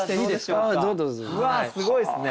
うわすごいですね。